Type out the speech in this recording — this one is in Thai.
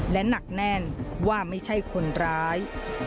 และหนักแน่นว่าไม่ใช่คนร้าย